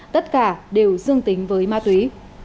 tất cả đều dương tính với ma túy